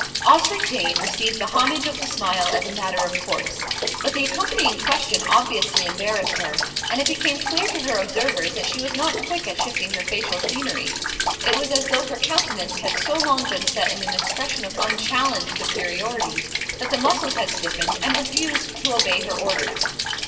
Osric Dane received the homage of the smile as a matter of course; but the accompanying question obviously embarrassed her, and it became clear to her observers that she was not quick at shifting her facial scenery. It was as though her countenance had so long been set in an expression of unchallenged superiority that the muscles had stiffened, and refused to obey her orders.